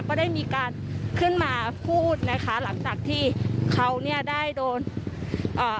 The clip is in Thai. ก็ได้มีการขึ้นมาพูดนะคะหลังจากที่เขาเนี้ยได้โดนอ่า